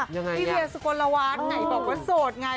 พี่เวียท์สกลวัสท์ไหนบอกว่าโสดไง